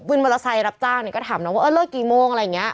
วินมอเตอร์ไซร์รับจ้างก็ถามน้องว่าเลิกกี่โมงอะไรอย่างนี้